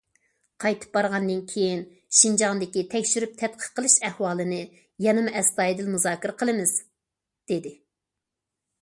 قايتىپ بارغاندىن كېيىن شىنجاڭدىكى تەكشۈرۈپ تەتقىق قىلىش ئەھۋالىنى يەنىمۇ ئەستايىدىل مۇزاكىرە قىلىمىز، دېدى.